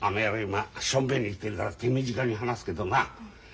今しょんべんに行ってるから手短に話すけどな。